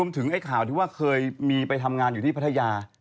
ที่มีไปทำงานอยู่ที่พัทยา